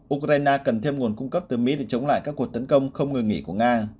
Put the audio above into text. ukraine cần thêm nguồn cung cấp từ mỹ để chống lại các cuộc tấn công không ngừng nghỉ của nga